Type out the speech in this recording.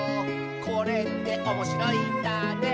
「これっておもしろいんだね」